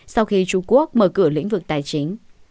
sau khi trung quốc mở cửa lĩnh vực tài chính